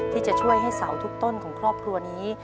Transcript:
ที่จะช่วยให้เสาทุกต้นของครอบครัวนี้